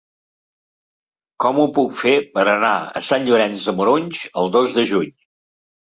Com ho puc fer per anar a Sant Llorenç de Morunys el dos de juny?